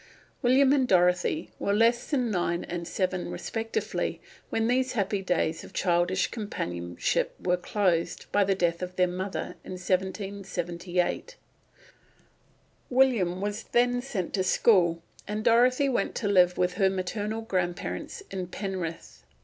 William and Dorothy were less than nine and seven respectively when these happy days of childish companionship were closed by the death of their mother in 1778. William was then sent to school, and Dorothy went to live with her maternal grandparents at Penrith.